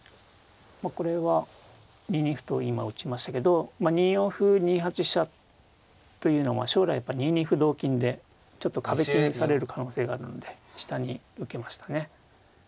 これは２二歩と今打ちましたけど２四歩２八飛車というのも将来２二歩同金でちょっと壁金される可能性があるので下に受けましたね。